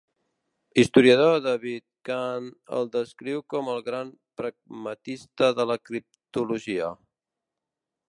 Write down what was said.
Historiador David Kahn el descriu com el gran pragmatista de la criptologia.